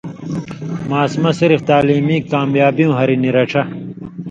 ماسمہ صرف تعلیمی کامیابیُوں ہریۡ نی رڇھہۡ